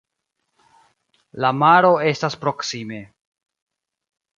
La maro estas proksime.